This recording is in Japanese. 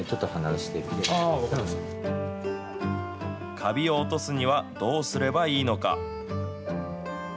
カビを落とすにはどうすればいいのか。